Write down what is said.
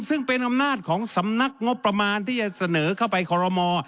ซึ่งเป็นอำนาจของสำนักงบประมาณที่จะเสนอเข้าไปคอรมอ